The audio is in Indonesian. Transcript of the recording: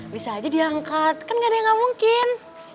bisa aja dia angkat kan gak ada yang gak mungkin